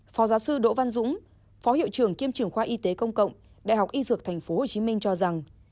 phó giáo sư đỗ văn dũng phó hiệu trưởng kiêm trưởng khoa y tế công cộng đại học y dược tp hcm cho rằng